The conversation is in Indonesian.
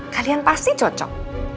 kalian pasti cocok